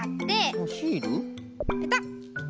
ペタッ！